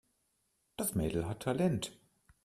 Das Mädel hat Talent.